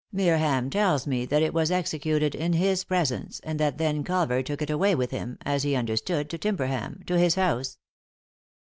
Meerham tells me that it was executed in his presence, and that then Culver took it away with him — as he understood, to Timberham — to his house.